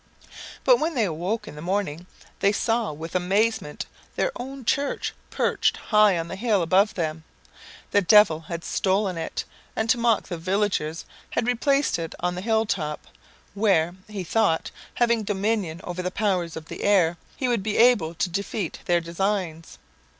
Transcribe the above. But when they woke in the morning they saw with amazement their own church perched high on the hill above them. The Devil had stolen it, and to mock the villagers had replaced it on the hilltop, where, he thought, having dominion over the powers of the air, he would be able to defeat their designs.